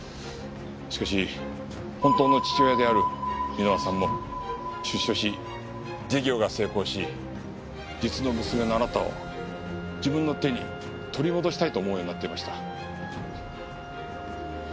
しかし本当の父親である箕輪さんも出所し事業が成功し実の娘のあなたを自分の手に取り戻したいと思うようになっていました。